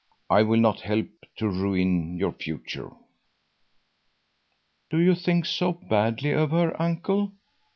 I will not help to ruin your future." "Do you think so badly of her, uncle?"